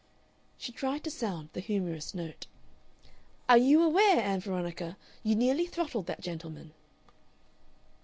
She tried to sound the humorous note. "Are you aware, Ann Veronica, you nearly throttled that gentleman?"